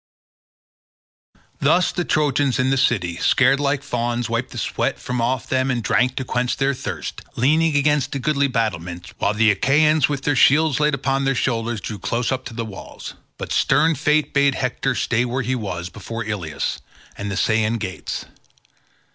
Thus the Trojans in the city, scared like fawns, wiped the sweat from off them and drank to quench their thirst, leaning against the goodly battlements, while the Achaeans with their shields laid upon their shoulders drew close up to the walls. But stern fate bade Hector stay where he was before Ilius and the Scaean gates.